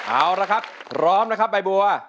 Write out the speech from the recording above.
เอาละครับพร้อมนะครับใบบัว